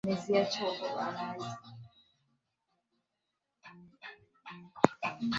serikali australia ametangaza kuongezeka